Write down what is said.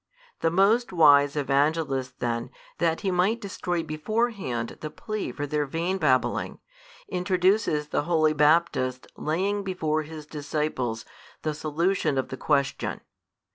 The most wise Evangelist then, that he might destroy beforehand the plea for their vain babbling, |179 introduces the holy Baptist laying before his disciples the solution of the question.